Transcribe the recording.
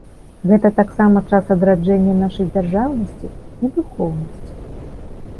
Гэта таксама час адраджэння нашай дзяржаўнасці і духоўнасці.